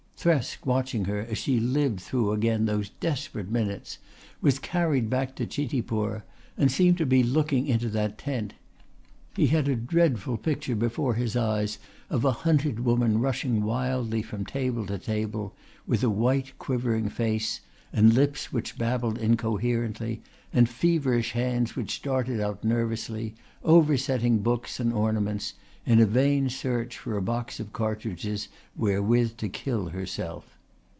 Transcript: Thresk, watching her as she lived through again those desperate minutes, was carried back to Chitipur and seemed to be looking into that tent. He had a dreadful picture before his eyes of a hunted woman rushing wildly from table to table, with a white, quivering face and lips which babbled incoherently and feverish hands which darted out nervously, over setting books and ornaments in a vain search for a box of cartridges wherewith to kill herself.